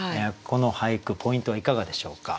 この俳句ポイントはいかがでしょうか。